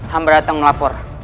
hamba datang melapor